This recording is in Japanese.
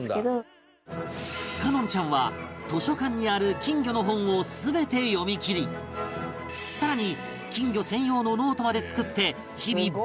叶穏ちゃんは図書館にある金魚の本を全て読みきり更に金魚専用のノートまで作って日々勉強